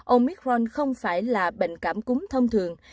omicron không phải là bệnh cảm cúng thông thường